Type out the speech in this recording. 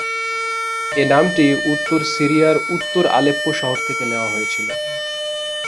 এর নামটি উত্তর সিরিয়ার উত্তর আলেপ্পো শহর থেকে নেওয়া হয়েছিল।